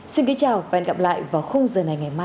xin kính chào và hẹn gặp lại vào khung giờ này ngày mai